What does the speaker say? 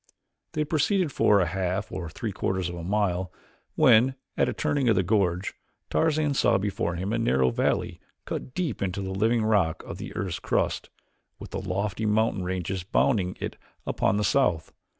They had proceeded for a half or three quarters of a mile when, at a turning of the gorge, Tarzan saw before him a narrow valley cut deep into the living rock of the earth's crust, with lofty mountain ranges bounding it upon the south.